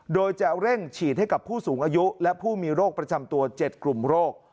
โดยจะเร่งฉีดให้กับผู้สูงอายุและผู้มีโรคประจำตัว๗กลุ่มโรค